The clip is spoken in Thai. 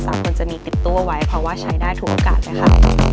คนจะมีติดตัวไว้เพราะว่าใช้ได้ทุกโอกาสเลยค่ะ